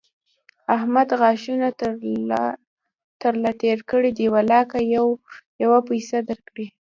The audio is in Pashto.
احمد غاښونه تر له تېر کړي دي؛ ولاکه يوه پيسه در کړي.